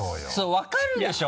分かるでしょ？